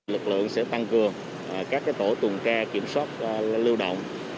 lực lượng sẽ tăng cường các tổ tuần tra kiểm soát lưu động